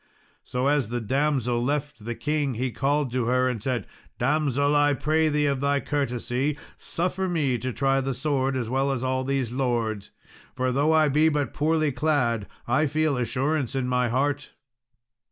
So as the damsel left the king, he called to her and said, "Damsel, I pray thee of thy courtesy, suffer me to try the sword as well as all these lords; for though I be but poorly clad, I feel assurance in my heart."